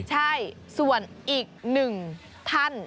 ใช่ส่วนอีก๑ท่าน